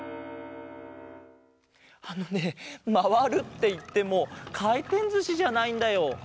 あのねまわるっていってもかいてんずしじゃないんだよ。